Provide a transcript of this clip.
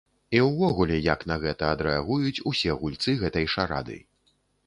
І ўвогуле як на гэта адрэагуюць ўсе гульцы гэтай шарады.